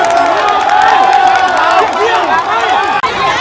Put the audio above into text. สวัสดีครับ